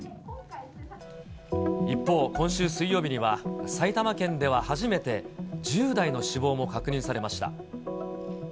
一方、今週水曜日には、埼玉県では初めて、１０代の死亡も確認されました。